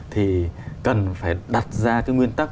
thì cần phải đặt ra cái nguyên tắc